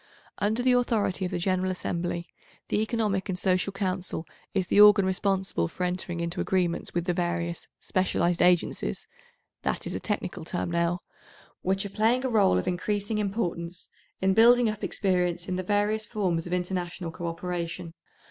Under the authority of the General Assembly, the Economic and Social Council is the organ responsible for entering into agreements with the various "specialised agencies"—that is a technical term now—which are playing a role of increasing importance in building up experience in the various forms of international co operation.